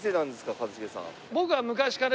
一茂さん。